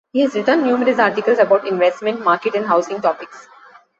He has written numerous articles about investment, market and housing topics.